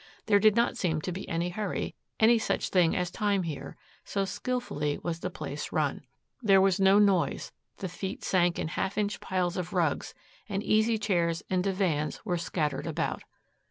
There did not seem to be any hurry, any such thing as time here, so skilfully was the place run. There was no noise; the feet sank in half inch piles of rugs, and easy chairs and divans were scattered about.